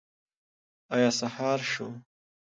ایا سهار شو؟